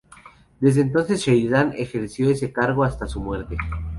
Desde entonces Sheridan ejerció ese cargo hasta su muerte.